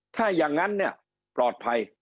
ถ้าอย่างนั้นเนี่ยปลอดภัย